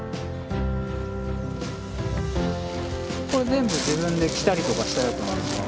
これ全部自分で着たりとかしたやつなんですか？